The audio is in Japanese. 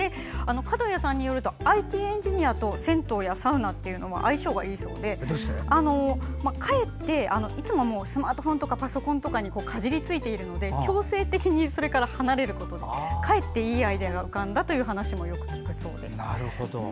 角屋さんによるとＩＴエンジニアと銭湯やサウナは相性がいいそうでかえっていつもスマートフォンとかパソコンとかにかじりついているので強制的にそれから離れることでかえっていいアイデアが浮かんだという話もよく聞くそうです。